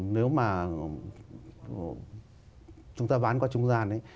nếu mà chúng ta bán qua trung gian ấy